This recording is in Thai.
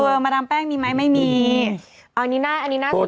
เบอร์เมดามแป้งมีไหมไม่มีอ่าอันนี้น่าอันนี้น่าสงสัยโทร